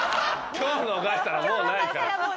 今日逃したらもうない。